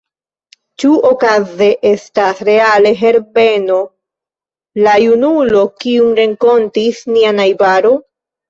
Ĉu okaze estas reale Herbeno la junulo, kiun renkontis nia najbaro?